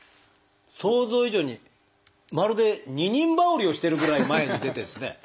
想像以上にまるで二人羽織りをしてるぐらい前に出てるんですね。